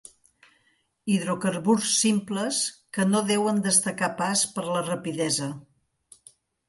Hidrocarburs simples que no deuen destacar pas per la rapidesa.